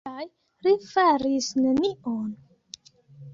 Kaj li faris nenion?